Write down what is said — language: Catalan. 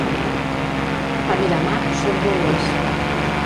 A Miramar són bouers.